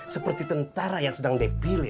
seperti tentara yang sedang depile